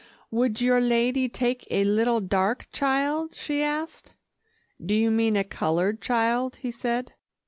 "Would your lady take a little dark child?" she asked. "Do you mean a coloured child?" he said.